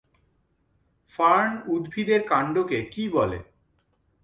Fern উদ্ভিদের কান্ডকে কী বলে?